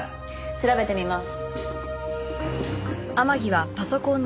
調べてみます。